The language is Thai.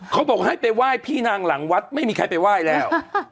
เขาบอกให้ไปไหว้พี่นางหลังวัดไม่มีใครไปไหว้แล้ว